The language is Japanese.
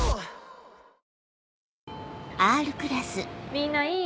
みんないい？